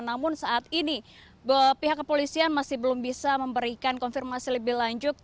namun saat ini pihak kepolisian masih belum bisa memberikan konfirmasi lebih lanjut